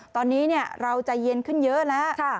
ตอนนี้เราใจเย็นขึ้นเยอะแล้ว